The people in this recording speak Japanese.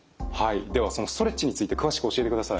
ではそのストレッチについて詳しく教えてください。